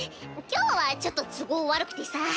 今日はちょっと都合悪くてさ。